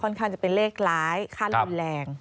ค่อนข้างจะเป็นเลขร้ายค่าแรง